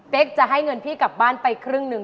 เป็นจะให้เงินพี่กลับบ้านไปครึ่งหนึ่ง